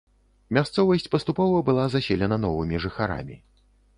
Мясцовасць паступова была заселена новымі жыхарамі.